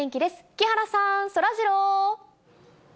木原さん、そらジロー。